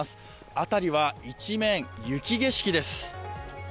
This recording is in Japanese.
辺りは一面雪景色です。